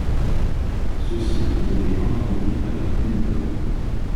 Ceux-ci ont été introduits avec Unicode.